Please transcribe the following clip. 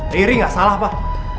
riri gak salah pak